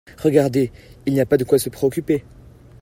Regardez. Il n'y a pas de quoi se préoccuper.